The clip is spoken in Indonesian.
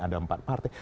ada empat partai